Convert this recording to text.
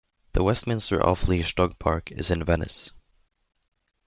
The Westminster Off-Leash Dog Park is in Venice.